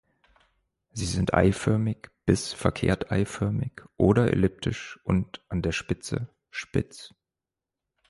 Sie sind eiförmig bis verkehrt-eiförmig oder elliptisch und an der Spitze spitz.